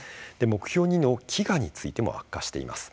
目標２の飢餓についても悪化しています。